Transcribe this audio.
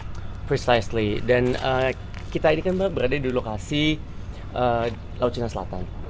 tepat sekali dan kita ini kan berada di lokasi laut cina selatan